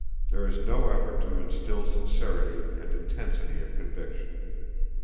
There is no effort to instill sincerity and intensity of conviction.